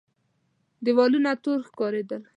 دېوالونه تور ښکارېدل.